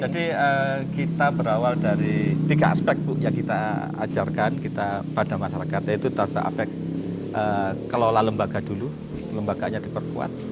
jadi kita berawal dari tiga aspek yang kita ajarkan kepada masyarakat yaitu terutama kekelolaan lembaga dulu lembaganya diperkuat